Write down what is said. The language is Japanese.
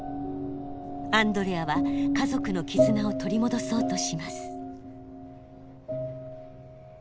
アンドレアは家族の絆を取り戻そうとします。